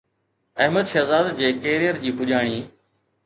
احمد شهزاد جي ڪيريئر جي پڄاڻي